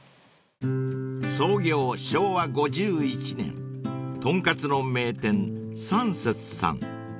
［創業昭和５１年とんかつの名店三節さん］